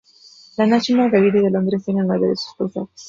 La National Gallery de Londres tiene nueve de sus paisajes.